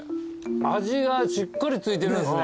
味がしっかり付いてるんすね。